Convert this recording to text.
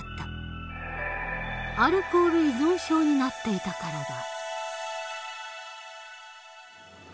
アルコール依存症になっていたからだ。